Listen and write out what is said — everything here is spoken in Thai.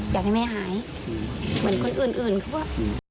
อยากให้แม่หายเหมือนคนอื่นอื่นเขาว่า